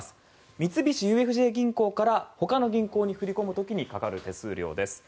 三菱ＵＦＪ銀行からほかの銀行に振り込む時にかかる手数料です。